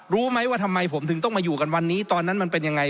รู้ไหมว่าทำไมผมถึงต้องมาอยู่กันวันนี้ตอนนั้นมันเป็นยังไง